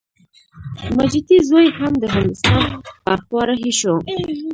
ماجتي زوی هم د هندوستان پر خوا رهي شو.